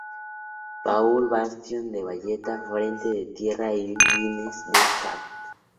Paul Bastión del Valletta Frente de Tierra, y fines en St.